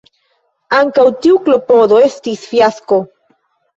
Ankaŭ tiu klopodo estis fiasko.